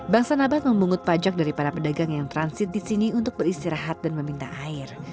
bangsa nabat memungut pajak dari para pedagang yang transit di sini untuk beristirahat dan meminta air